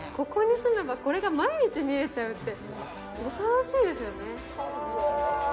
ここに住めばこれが毎日見れちゃうって、恐ろしいですよね。